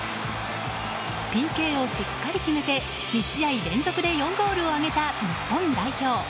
ＰＫをしっかり決めて２試合連続で４ゴールを挙げた日本代表。